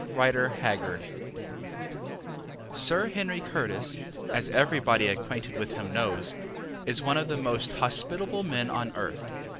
Rider Haggard Sir Henry Curtis, as everybody acquainted with him knows, is one of the most hospitable men on earth.